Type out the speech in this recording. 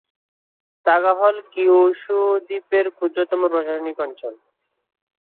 Saga হল Kyushu দ্বীপের ক্ষুদ্রতম প্রশাসনিক অঞ্চল।